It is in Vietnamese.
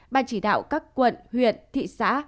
bàn chỉ đạo các quận huyện thị xã